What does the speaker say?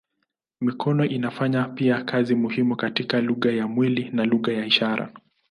Mikono inafanya pia kazi muhimu katika lugha ya mwili na lugha ya ishara.